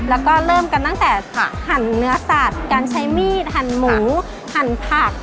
แล้วก็เริ่มกันตั้งแต่หั่นเนื้อสัตว์การใช้มีดหั่นหมูหั่นผัก